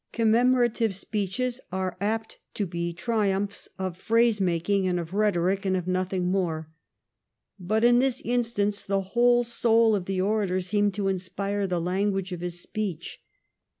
Commemoration speeches are apt to be 180 THE CRIMEAN WAR l8l triumphs of phrase making and of rhetoric, and of nothing more. But in this instance the whole soul of the orator seemed to inspire the language of his speech.